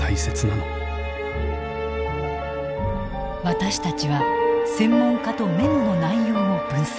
私たちは専門家とメモの内容を分析。